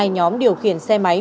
hai nhóm điều khiển xe máy